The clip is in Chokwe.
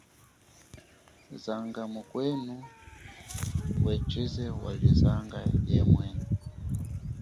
Zanga mukwenu ngwechize wali zanga yemwene.